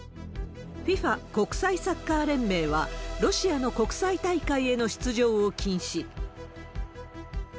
ＦＩＦＡ・国際サッカー連盟は、ロシアの国際大会への出場を禁止。